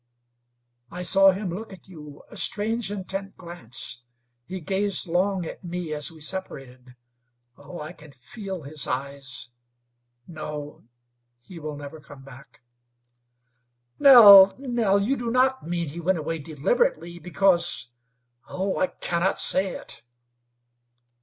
"I saw him look at you a strange, intent glance. He gazed long at me as we separated. Oh! I can feel his eyes. No; he will never come back." "Nell, Nell, you do not mean he went away deliberately because, oh! I cannot say it."